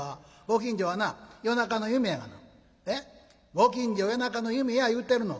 「ご近所夜中の夢や言うてるの」。